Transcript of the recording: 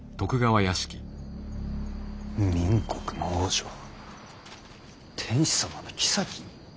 明国の王女を天子様の妃に？